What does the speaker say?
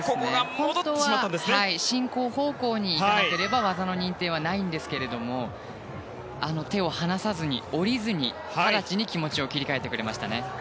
本当は進行方向に回らなければ技の認定はないんですけれども手を放さずに下りずに直ちに気持ちを切り替えてくれました。